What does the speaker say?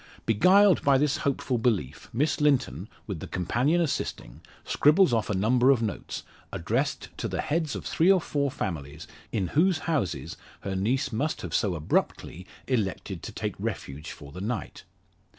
Beguiled by this hopeful belief, Miss Linton, with the companion assisting, scribbles off a number of notes, addressed to the heads of three or four families in whose houses her niece must have so abruptly elected to take refuge for the night.